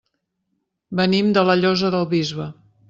Venim de la Llosa del Bisbe.